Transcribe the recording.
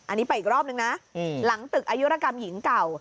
อันนี้ไปอีกรอบนึงนะหลังตึกอายุรกรรมหญิงเก่า